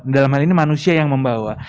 dalam hal ini manusia yang membawa